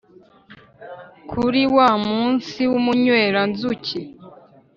kuri wa munsi w’umunywera-nzuki